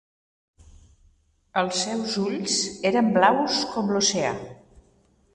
Els seus ulls eren blaus com l'oceà.